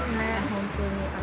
◆本当に。